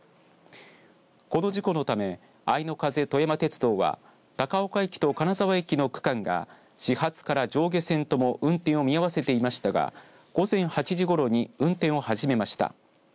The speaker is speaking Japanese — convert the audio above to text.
この事故のためあいの風とやま鉄道は高岡駅と金沢駅の区間が始発から上下線とも運転を見合わせていましたが午前８時ごろに運転を始めました。